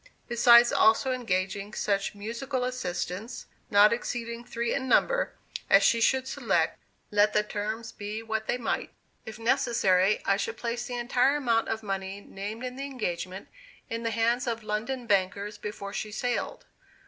besides also engaging such musical assistants, not exceeding three in number, as she should select, let the terms be what they might. If necessary, I should place the entire amount of money named in the engagement in the hands of London bankers before she sailed.